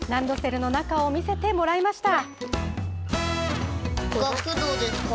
ランドセルの中を見せてもらいました。